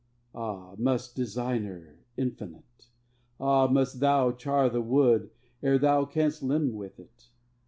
Ah! must Designer infinite! Ah! must Thou char the wood ere Thou canst limn with it?